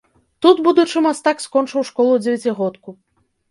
Тут будучы мастак скончыў школу-дзевяцігодку.